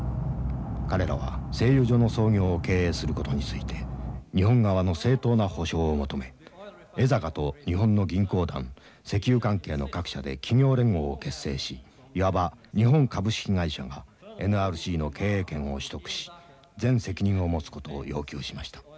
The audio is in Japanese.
彼らは製油所の操業を経営することについて日本側の正当な保証を求め江坂と日本の銀行団石油関係の各社で企業連合を結成しいわば日本株式会社がＮＲＣの経営権を取得し全責任を持つことを要求しました。